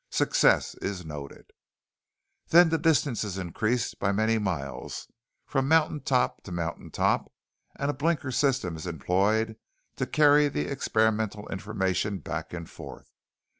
Success is noted. "Then the distance is increased by many miles from mountain top to mountain top and a blinker system is employed to carry the experimental information back and forth.